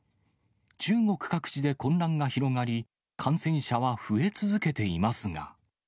中国各地で混乱が広がり、感染者は増え続けていますが。